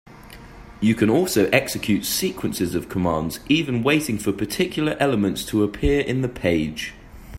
You can also execute sequences of commands, even waiting for particular elements to appear in the page.